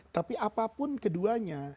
tapi apapun keduanya